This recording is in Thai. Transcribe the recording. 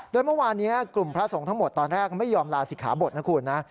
โดยเมื่อวานนี้กลุ่มพระสงฆ์ทั้งหมดตอนแรกไม่ยอมลาศิกขาบทนะคุณนะ